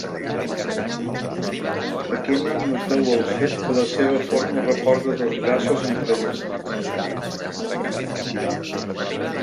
Aquest nom es deu al fet que la seva forma recorda dos braços entrellaçats.